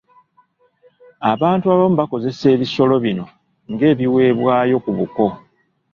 Abantu abamu bakozesa ebisolo bino ng'ebiweebwayo ku buko.